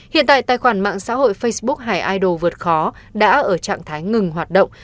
hiện tại tài khoản mạng xã hội facebook hải idol vượt khó đã ở trạng thái ngừng hoạt động